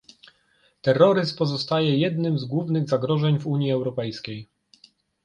Terroryzm pozostaje jednym z głównych zagrożeń w Unii Europejskiej